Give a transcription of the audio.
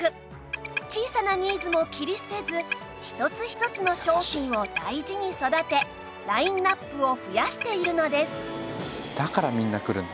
小さなニーズも切り捨てず一つ一つの商品を大事に育てラインアップを増やしているのです